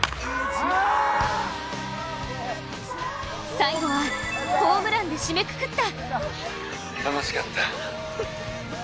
最後はホームランで締めくくった。